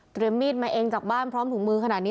มีดมาเองจากบ้านพร้อมถุงมือขนาดนี้